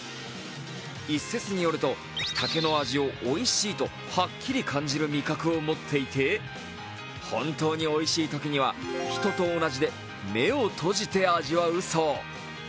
一説によると、竹の味をおいしいとはっきり感じる味覚を持っていて本当においしいときには、人と同じで、目を閉じて味わうそう。